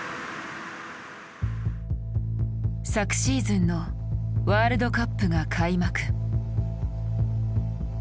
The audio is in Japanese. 昨シーズンのワールドカップが開幕。